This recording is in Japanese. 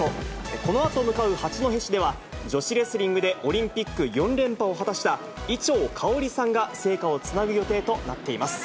このあと向かう八戸市では、女子レスリングでオリンピック４連覇を果たした、伊調馨さんが聖火をつなぐ予定となっています。